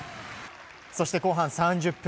そして後半３０分。